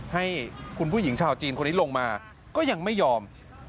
ให้คุณผู้หญิงชาวจีนคนนี้ลงมาก็ยังไม่ยอม